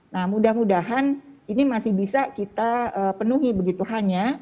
nah mudah mudahan ini masih bisa kita penuhi begitu hanya